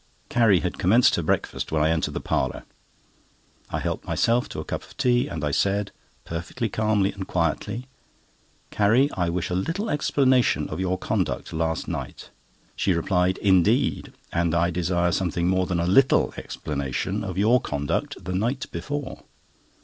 Carrie had commenced her breakfast when I entered the parlour. I helped myself to a cup of tea, and I said, perfectly calmly and quietly: "Carrie, I wish a little explanation of your conduct last night." She replied, "Indeed! and I desire something more than a little explanation of your conduct the night before."